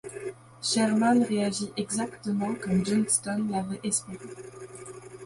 Sherman réagit exactement comme Johnston l'avait espéré.